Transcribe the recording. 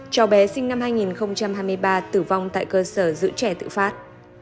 cháu bé sinh năm hai nghìn hai mươi ba tử vong tại cơ sở giữ trẻ tự phát